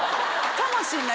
かもしれない